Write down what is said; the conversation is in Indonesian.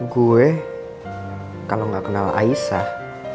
gue kalau gak kenal aisah